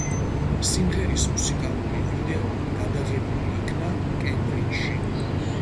სიმღერის მუსიკალური ვიდეო გადაღებული იქნა კემბრიჯში.